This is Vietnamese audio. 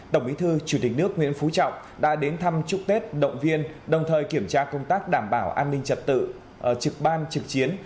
tổng bí thư chủ tịch nước nguyễn phú trọng đã đến thăm chúc tết động viên đồng thời kiểm tra công tác đảm bảo an ninh trật tự trực ban trực chiến